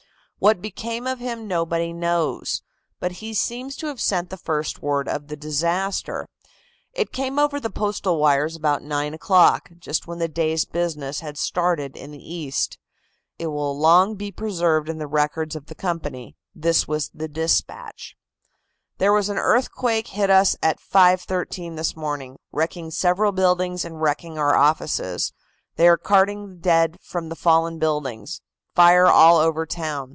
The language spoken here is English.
What became of him nobody knows. But he seems to have sent the first word of the disaster. It came over the Postal wires about nine o'clock, just when the day's business had started in the East. It will long be preserved in the records of the company. This was the dispatch: "There was an earthquake hit us at 5.13 this morning, wrecking several buildings and wrecking our offices. They are carting dead from the fallen buildings. Fire all over town.